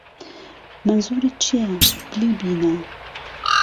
مهنزوورتچییه بلی بینه